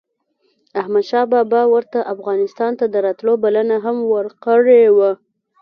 احمد شاه بابا ورته افغانستان ته دَراتلو بلنه هم ورکړې وه